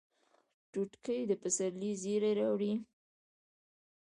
توتکۍ د پسرلي زیری راوړي